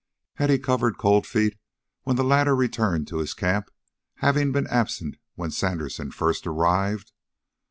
Had he covered Cold Feet when the latter returned to his camp, having been absent when Sandersen first arrived?